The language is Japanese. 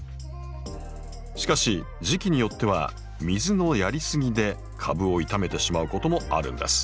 しかし時期によっては水のやりすぎで株を傷めてしまうこともあるんです。